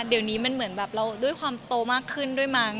เดี๋ยวนี้มันเหมือนแบบเราด้วยความโตมากขึ้นด้วยมั้ง